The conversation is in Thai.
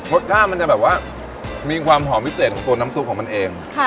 รสชาติมีความหอมวิเศษตัวน้ำซุ๊กของมันเอง